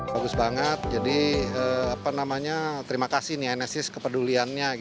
bagus banget jadi terima kasih enesis kepeduliannya